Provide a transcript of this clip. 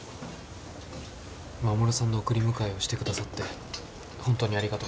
衛さんの送り迎えをしてくださってホントにありがとうございます。